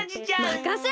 まかせろ！